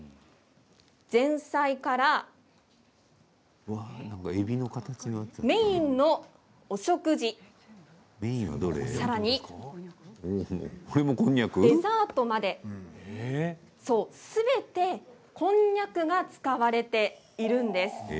前菜からメインのお食事さらにデザートまで、すべてこんにゃくが使われているんです。